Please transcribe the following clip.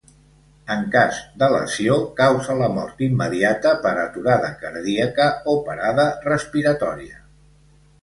En cas de lesió, causa la mort immediata per aturada cardíaca o parada respiratòria.